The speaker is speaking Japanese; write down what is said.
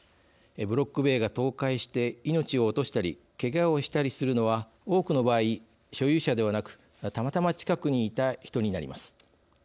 ブロック塀が倒壊して命を落としたりけがをしたりするのは多くの場合所有者ではなくたまたま近くにいた人になります。